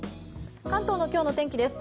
関東の今日の天気です。